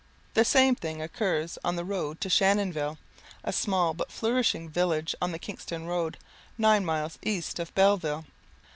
The same thing occurs on the road to Shannonville, a small but flourishing village on the Kingston road, nine miles east of Belleville.